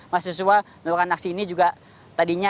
mahasiswa melakukan aksi ini juga tadinya